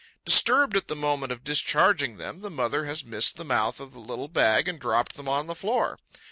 Disturbed at the moment of discharging them, the mother has missed the mouth of the little bag and dropped them on the floor.